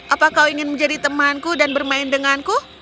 apa kau ingin menjadi temanku dan bermain denganku